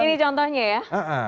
ini contohnya ya